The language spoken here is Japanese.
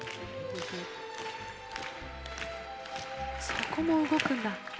そこも動くんだ。